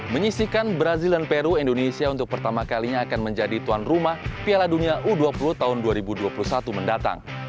menyisikan brazil dan peru indonesia untuk pertama kalinya akan menjadi tuan rumah piala dunia u dua puluh tahun dua ribu dua puluh satu mendatang